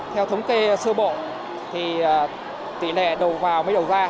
theo thống kê sơ bộ thì tỷ lệ đầu vào mới đầu ra